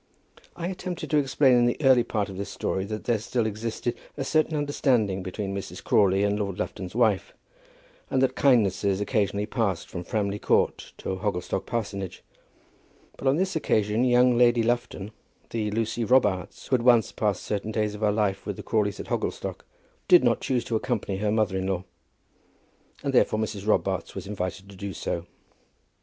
I attempted to explain in the early part of this story that there still existed a certain understanding between Mrs. Crawley and Lord Lufton's wife, and that kindnesses occasionally passed from Framley Court to Hogglestock Parsonage; but on this occasion young Lady Lufton, the Lucy Robarts who had once passed certain days of her life with the Crawleys at Hogglestock, did not choose to accompany her mother in law; and therefore Mrs. Robarts was invited to do so.